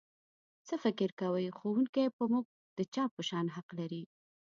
څه فکر کوئ ښوونکی په موږ د چا په شان حق لري؟